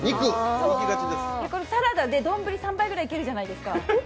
サラダで丼３杯ぐらいいけるじゃないですか。